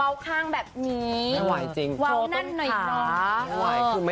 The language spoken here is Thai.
เว้าก้องแบบนี้เวาหน้านี่นะ